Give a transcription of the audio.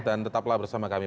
dan tetaplah bersama kami